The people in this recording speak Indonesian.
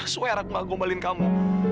suara aku nggak ngebombalin kamu